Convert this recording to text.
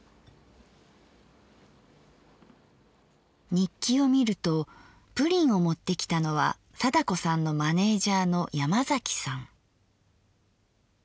日記を見るとプリンを持ってきたのは貞子さんのマネージャーの山崎さん。